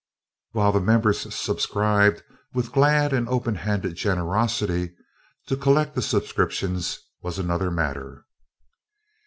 While the members subscribed with glad and openhanded generosity, to collect the subscriptions was another matter.